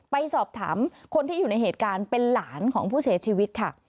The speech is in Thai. ไปสอบถามคนที่อยู่ในเหตุการณ์เป็นหลานของผู้เสียชีวิตค่ะ